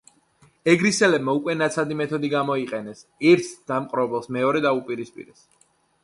ეგრისელებმა უკვე ნაცადი მეთოდი გამოიყენეს ერთ დამპყრობელს მეორე დაუპირისპირეს.